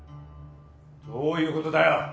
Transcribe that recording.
どういうことだよ！？